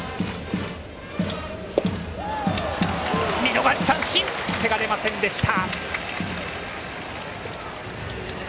見逃し三振手が出ませんでした。